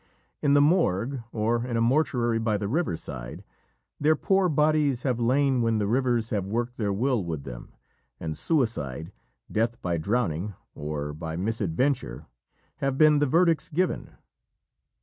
In the Morgue, or in a mortuary by the river side, their poor bodies have lain when the rivers have worked their will with them, and "Suicide," "Death by drowning," or "By Misadventure" have been the verdicts given.